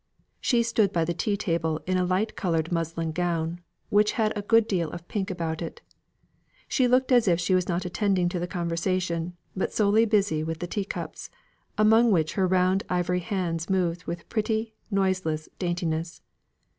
She stood by the tea table in a light coloured muslin gown, which had a good deal of pink about it. She looked as if she was not attending to the conversation, but solely busy with the tea cups, among which her round ivory hands moved with pretty, noiseless, daintiness.